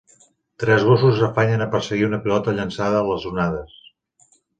Tres gossos s'afanyen a perseguir una pilota llançada a les onades.